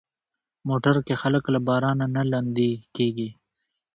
موټر کې خلک له بارانه نه لندي کېږي.